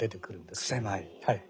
はい。